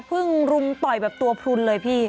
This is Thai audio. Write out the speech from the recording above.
รุมต่อยแบบตัวพลุนเลยพี่